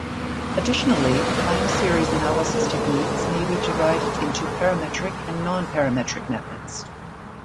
Additionally, time series analysis techniques may be divided into parametric and non-parametric methods.